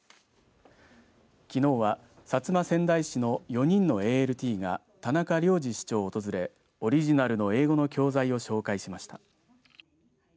きのうは、薩摩川内市の４人のＡＬＴが田中良二市長を訪れオリジナルの英語の教材を紹介しました。